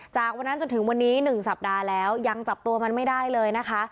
จากวันนั้นจนถึงวันนี้๑สัปดาห์แล้วยังจับตัวมันไม่ได้เลยนะคะ